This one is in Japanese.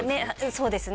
そうですね